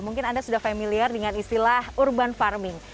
mungkin anda sudah familiar dengan istilah urban farming